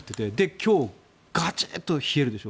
今日、ガチッと冷えるでしょ。